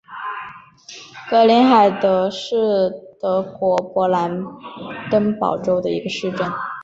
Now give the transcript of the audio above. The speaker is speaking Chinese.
格林海德是德国勃兰登堡州的一个市镇。